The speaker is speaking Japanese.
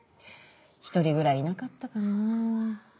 １人ぐらいいなかったかな。